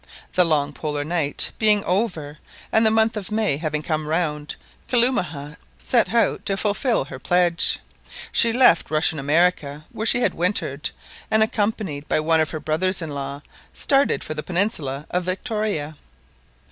The long Polar night being over, and the month of May having come round, Kalumah set out to fulfil her pledge. She left Russian America, where she had wintered, and accompanied by one of her brothers in law, started for the peninsula of Victoria.